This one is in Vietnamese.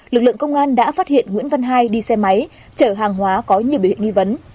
lực lượng công an đã phát hiện nguyễn văn hai đi xe máy chở hàng hóa có nhiều biểu hiện nghi vấn